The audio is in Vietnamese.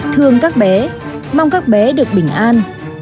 thương các bé mong các bé được bình an